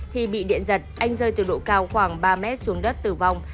thì bị điện giật anh rơi từ độ cao khoảng ba mét xuống đất tử vong